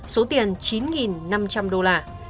số tiền chín năm trăm linh đô la